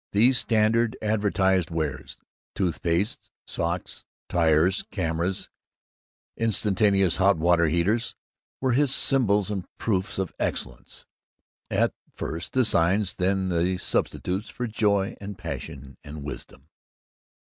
These standard advertised wares toothpastes, socks, tires, cameras, instantaneous hot water heaters were his symbols and proofs of excellence; at first the signs, then the substitutes, for joy and passion and wisdom.